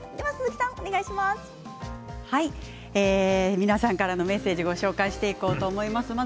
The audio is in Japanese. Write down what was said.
皆さんからのメッセージをご紹介したいと思います。